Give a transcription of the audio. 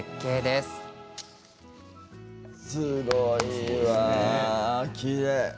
すごいわ、きれい。